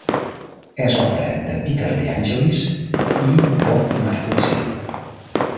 És obra de Peter De Angelis i Bob Marcucci.